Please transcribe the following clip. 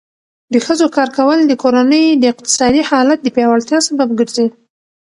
د ښځو کار کول د کورنۍ د اقتصادي حالت د پیاوړتیا سبب ګرځي.